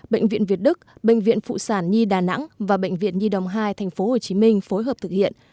bệnh viện việt đức bệnh viện phụ sản nhi đà nẵng và bệnh viện nhi đồng hai tp hcm phối hợp thực hiện